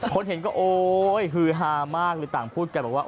คนเห็นก็โอ๊ยฮือฮามากเลยต่างพูดกันบอกว่า